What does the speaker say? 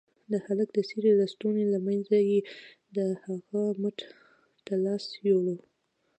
د هلك د څيرې لستوڼي له منځه يې د هغه مټ ته لاس يووړ.